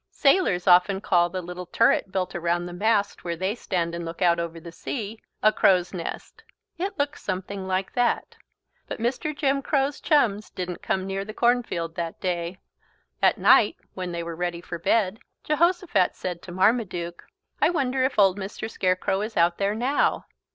Sailors often call the little turret built around the mast, where they stand and look out over the sea, a "crow's nest." It looks something like that. But Mr. Jim Crow's chums didn't come near the cornfield that day. At night, when they were ready for bed, Jehosophat said to Marmaduke: "I wonder if old Mr. Scarecrow is out there now."